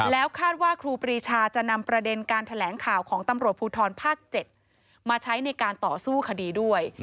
แล้วคาดว่าครูปรีชาจะนำประเด็นการแถลงข่าวของตำรวจภูทรภาค๗มาใช้ในการต่อสู้คดีด้วย